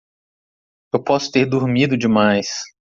Eu posso ter dormido demais.